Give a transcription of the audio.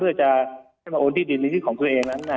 เพื่อให้มองที่ดินนั้นของตัวเอง